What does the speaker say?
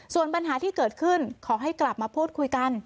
ส่วนปัญหาที่เกิดขึ้นขอให้กลับมาพูดคุยกัน